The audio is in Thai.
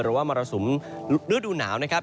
หรือว่ามรสุมฤดูหนาวนะครับ